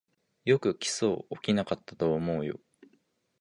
よく訴訟起きなかったと思うよ